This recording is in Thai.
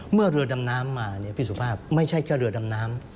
เมื่อเรือดำน้ำมาพี่สุภาพไม่ใช่แค่เรือดำน้ำ